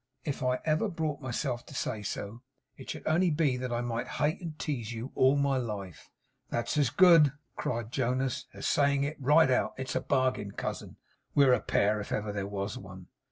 'If I ever brought myself to say so, it should only be that I might hate and tease you all my life.' 'That's as good,' cried Jonas, 'as saying it right out. It's a bargain, cousin. We're a pair, if ever there was one.